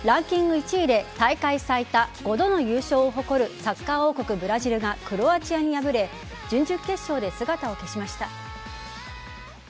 １位で大会最多５度の優勝を誇るサッカー王国・ブラジルがクロアチアに敗れ準々決勝で姿を消しました。